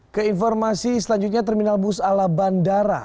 keinformasi selanjutnya terminal bus ala bandara